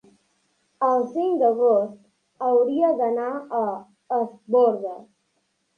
el cinc d'agost hauria d'anar a Es Bòrdes.